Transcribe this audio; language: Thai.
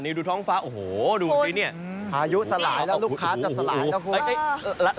นี่ดูท้องฟ้าโอ้โหดูสิเนี่ยพายุสลายแล้วลูกค้าจะสลายนะคุณ